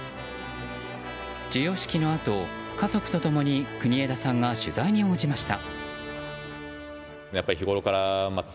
授与式のあと家族と共に国枝さんが取材に応じました。